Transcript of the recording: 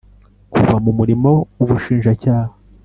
kuva mu murimo w ubushinjacyaha